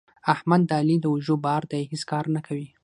احمد د علي د اوږو بار دی؛ هیڅ کار نه کوي.